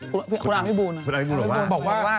คุณอาร์มพี่บูนอ่ะพี่บูนบอกว่าคุณอาร์มพี่บูนบอกว่า